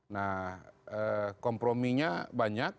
nah komprominya banyak